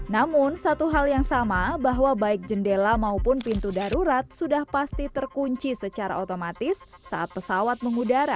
namun satu hal yang sama bahwa baik jendela maupun pintu darurat sudah pasti terkunci secara otomatis saat pesawat mengudara